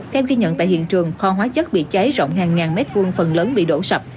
theo ghi nhận tại hiện trường kho hóa chất bị cháy rộng hàng ngàn mét vuông phần lớn bị đổ sập